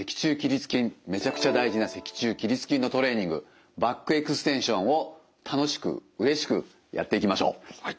めちゃくちゃ大事な脊柱起立筋のトレーニングバックエクステンションを楽しくうれしくやっていきましょう。